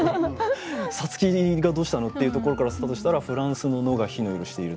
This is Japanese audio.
「皐月がどうしたの？」っていうところからスタートしたら「仏蘭西の野が火の色している」。